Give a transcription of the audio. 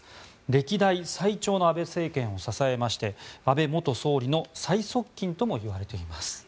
歴代最長の安倍政権を支えまして安倍元総理の最側近ともいわれています。